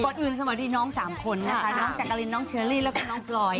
ก็ดื่มสมัยที่น้อง๓คนนะคะน้องจักรินน้องเชอรี่แล้วก็น้องปลอย